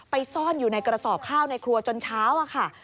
ซ่อนอยู่ในกระสอบข้าวในครัวจนเช้าอะค่ะ